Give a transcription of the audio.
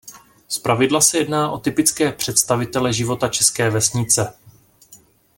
Zpravidla se jedná o typické představitele života české vesnice.